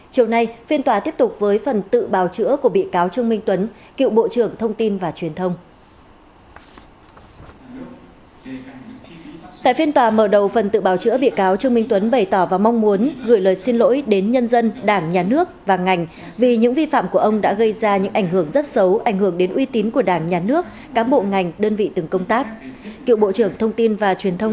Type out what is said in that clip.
chiều nay phiên tòa tiếp tục với phần tự bào chữa của bị cáo trung minh tuấn cựu bộ trưởng thông tin và truyền thông